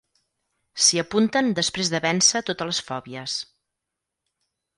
S'hi apunten després de vèncer totes les fòbies.